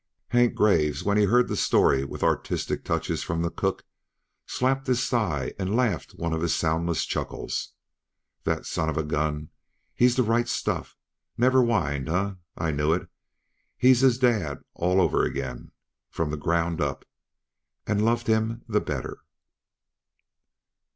Hank Graves, when he heard the story, with artistic touches from the cook, slapped his thigh and laughed one of his soundless chuckles. "The son of a gun! He's the right stuff. Never whined, eh? I knew it. He's his dad over again, from the ground up." And loved him the better.